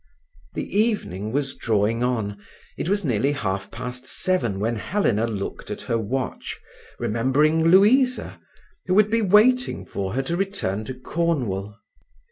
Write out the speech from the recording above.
The evening was drawing on; it was nearly half past seven when Helena looked at her watch, remembering Louisa, who would be waiting for her to return to Cornwall.